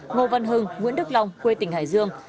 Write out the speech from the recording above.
ngô văn hưng nguyễn đức long quê tỉnh hải dương